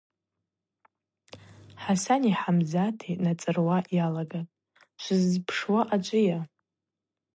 Хӏасани Хӏамзати нацӏыруа йалагатӏ: – Швыззпшуа ачӏвыйа?